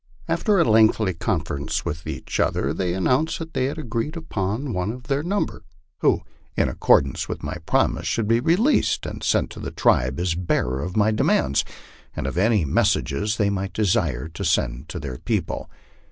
After a lengthy conference with each other, they an nounced that they had agreed upon one of their number who, in accordance with my promise, should be released and sent to the tribe as bearer of my de mands, and of any messages they might desire to send to their people.